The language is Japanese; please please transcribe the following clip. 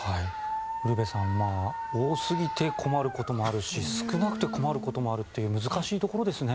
ウルヴェさん多すぎて困ることもあるし少なくて困ることもあるという難しいところですね。